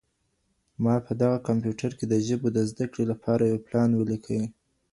ما په دغه کمپیوټر کي د ژبو د زده کړې لپاره یو پلان ولیکی.